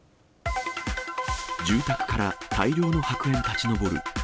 住宅から大量の白煙立ち上る。